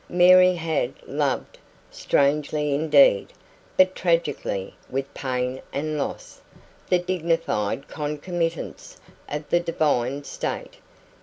Mary had loved strangely indeed, but tragically, with pain and loss, the dignified concomitants of the divine state.